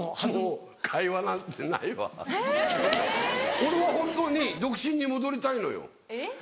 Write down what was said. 俺は本当に独身に戻りたいのよ。